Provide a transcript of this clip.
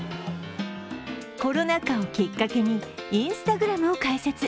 コロナ禍をきっかけにＩｎｓｔａｇｒａｍを開設。